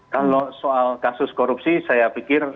kalau soal kasus korupsi saya pikir